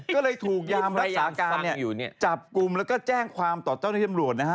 ก็เลยถูกยามรักษาการจับกลุ่มแล้วก็แจ้งความต่อเจ้าหน้าที่ตำรวจนะฮะ